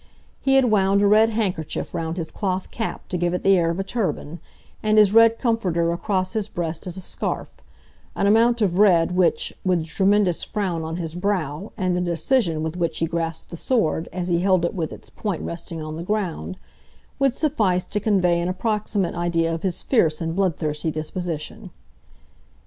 He had wound a red handkerchief round his cloth cap to give it the air of a turban, and his red comforter across his breast as a scarf,—an amount of red which, with the tremendous frown on his brow, and the decision with which he grasped the sword, as he held it with its point resting on the ground, would suffice to convey an approximate idea of his fierce and bloodthirsty disposition.